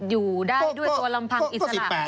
อยู่ได้ด้วยตัวลำพังอิสระ